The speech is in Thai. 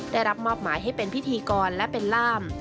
ได้รับมอบหมายให้เป็นพิธีกรและเป็นล่าม